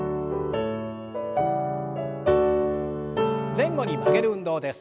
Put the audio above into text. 前後に曲げる運動です。